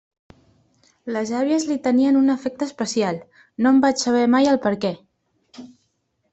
Les àvies li tenien un afecte especial; no en vaig saber mai el perquè.